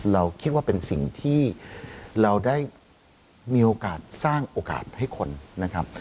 เราคิดว่าเป็นสิ่งที่เราได้มีโอกาสสร้างโอกาสให้คนนะครับ